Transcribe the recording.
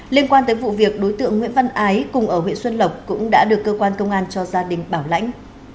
liên quan tới vụ việc đối tượng nguyễn văn ái cùng ở huyện xuân lộc cũng đã được cơ quan công an cho gia đình bảo lãnh